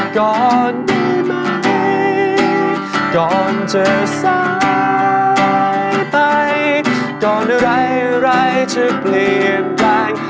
ที่นี่จะทำให้ความรู้สึกเหมือนแบบที่ไม่เป็น